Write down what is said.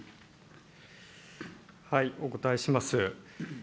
お答えします。